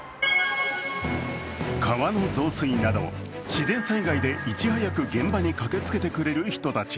川の増水など自然災害でいち早く現場に駆けつけてくれる人たち。